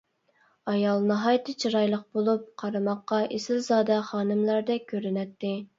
ئايال ناھايىتى چىرايلىق بولۇپ، قارىماققا ئېسىلزادە خانىملاردەك كۆرۈنەتتى.